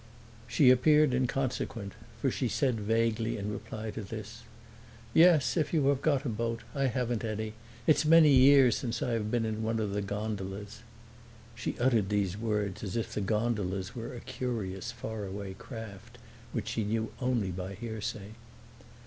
She appeared inconsequent, for she said vaguely in reply to this, "Yes, if you have got a boat. I haven't any; it's many years since I have been in one of the gondolas." She uttered these words as if the gondolas were a curious faraway craft which she knew only by hearsay.